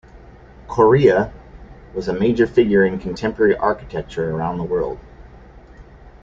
Correa was a major figure in contemporary architecture around the world.